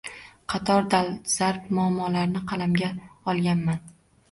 Qator dolzarb muammolarni qalamga olganman